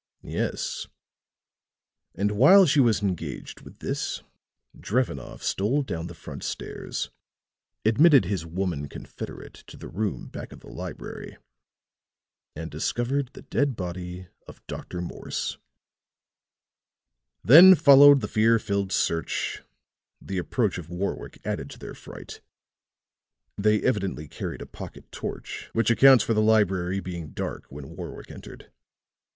"Yes; and while she was engaged with this Drevenoff stole down the front stairs, admitted his woman confederate to the room back of the library and discovered the dead body of Dr. Morse. Then followed the fear filled search; the approach of Warwick added to their fright. They evidently carried a pocket torch, which accounts for the library being dark when Warwick entered.